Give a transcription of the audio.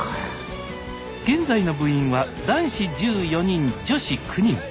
現在の部員は男子１４人女子９人。